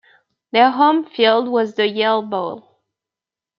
Their home field was the Yale Bowl.